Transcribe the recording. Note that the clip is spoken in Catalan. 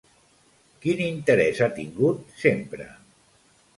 Quin interès ha tingut sempre?